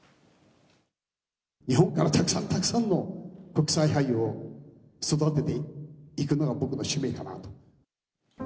日本からたくさんたくさんの国際俳優を育てていくのが、僕の使命かなと。